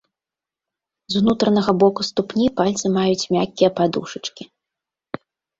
З унутранага боку ступні пальцы маюць мяккія падушачкі.